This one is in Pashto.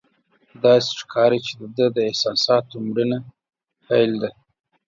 داسې ښکاري چې د ده د احساساتو مړینه پیل ده.